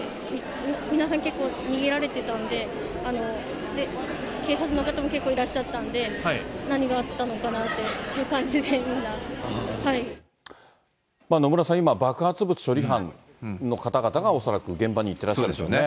皆さん結構、逃げられてたんで、警察の方も結構いらっしゃったんで、何があったのかなっていう感じで、野村さん、今、爆発物処理班の方が、恐らく現場に行ってらっしゃるんでしょうね。